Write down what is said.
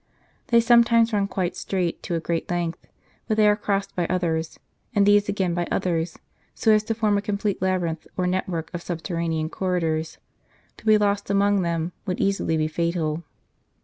They sometimes run quite straight to a great length ; but they are crossed by others, and these again by others, so as to form a complete labyrinth, or net work, of subterranean corridors. To be lost among them would easily be fatal.